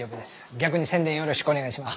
逆に宣伝よろしくお願いします。